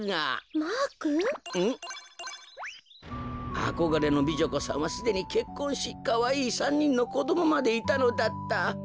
あこがれの美女子さんはすでにけっこんしかわいい３にんのこどもまでいたのだった。